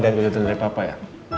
liat kejutan dari bapak ya